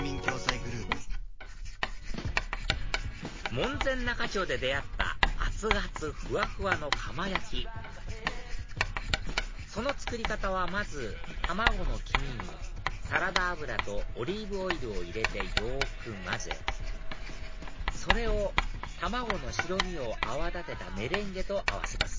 門前仲町で出会った熱々ふわふわの釜焼その作り方はまず卵の黄身にサラダ油とオリーブオイルを入れてよく混ぜそれを卵の白身を泡立てたメレンゲと合わせます